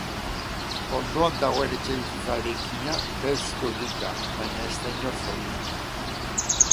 Ondoan dagoen etxebizitza eraikina belztu egin da, baina ez da inor zauritu.